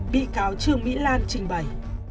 bị cáo trương mỹ lan trình bày